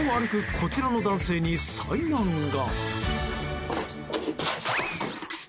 こちらの男性に災難が。